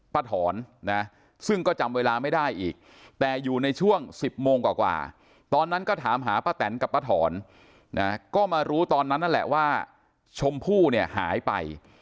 ถอนนะซึ่งก็จำเวลาไม่ได้อีกแต่อยู่ในช่วง๑๐โมงกว่าตอนนั้นก็ถามหาป้าแตนกับป้าถอนนะก็มารู้ตอนนั้นนั่นแหละว่าชมพู่เนี่ยหายไป